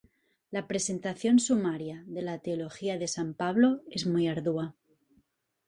La presentación sumaria de la teología de san Pablo es muy ardua.